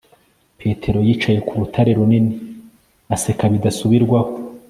petero yicaye ku rutare runini, aseka bidasubirwaho